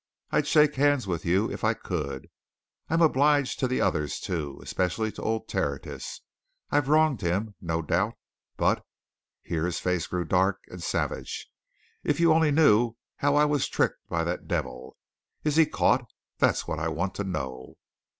"I'd shake hands with you if I could. I'm obliged to the others, too especially to old Tertius I've wronged him, no doubt. But" here his face grew dark and savage "if you only knew how I was tricked by that devil! Is he caught? that's what I want to know."